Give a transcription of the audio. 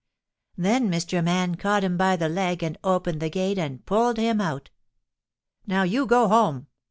Then Mr. Man caught him by the leg and opened the gate and pulled him out. 'Now, you go home!'